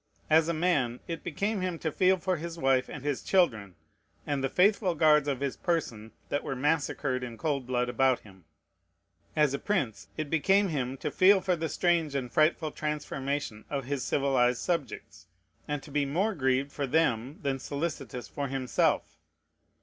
As a man, it became him to feel for his wife and his children, and the faithful guards of his person that were massacred in cold blood about him; as a prince, it became him to feel for the strange and frightful transformation of his civilized subjects, and to be more grieved for them than solicitous for himself.